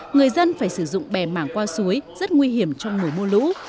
người dân phải sử dụng bè mảng qua suối rất nguy hiểm trong mùa mưa lũ